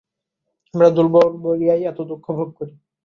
আমরা দুর্বল বলিয়াই এত দুঃখভোগ করি।